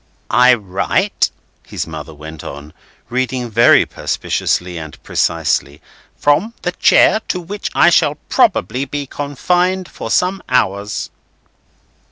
"'I write,'" his mother went on, reading very perspicuously and precisely, "'from the chair, to which I shall probably be confined for some hours.